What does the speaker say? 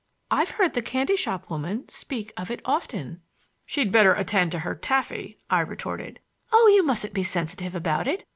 I've heard the candy shop woman speak of it often." "She'd better attend to her taffy," I retorted. "Oh, you mustn't be sensitive about it!